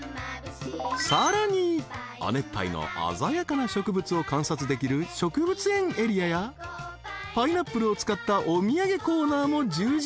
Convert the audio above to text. ［さらに亜熱帯の鮮やかな植物を観察できる植物園エリアやパイナップルを使ったお土産コーナーも充実］